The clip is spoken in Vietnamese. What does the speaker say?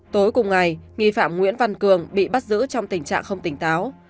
tối cùng ngày nghi phạm nguyễn văn cường bị bắt giữ trong tình trạng không tỉnh táo